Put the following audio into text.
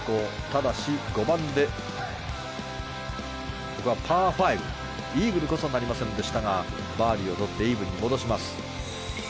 ただし、５番のパー５でイーグルこそなりませんでしたがバーディーをとってイーブンに戻します。